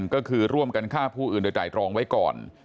ก็คือร่วมกันฆ่าผู้อื่นโดยไตรรองไว้ก่อน